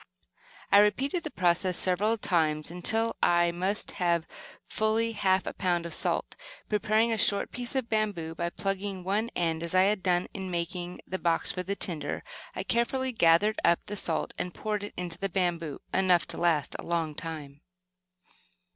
I repeated the process several times until I must have had fully half a pound of salt. Preparing a short piece of bamboo by plugging one end as I had done in making the box for the tinder, I carefully gathered up the salt and poured it into the bamboo, enough to last a long time.